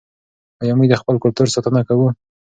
آیا موږ د خپل کلتور ساتنه کوو؟